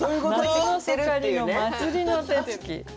「夏の盛りの祭りの手つき」。